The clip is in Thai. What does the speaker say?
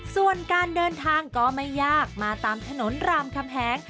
ส่วนการเดินทางก็ไม่ยากมาตามถนนรามคำแหง